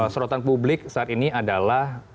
sorotan publik saat ini adalah